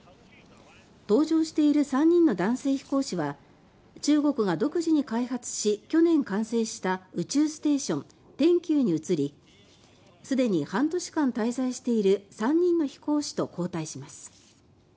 搭乗している３人の男性飛行士は中国が独自に開発し去年完成した宇宙ステーション天宮に移りすでに半年間滞在している３人の飛行士と交代します。